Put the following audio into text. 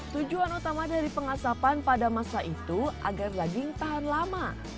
tujuan utama dari pengasapan pada masa itu agar daging tahan lama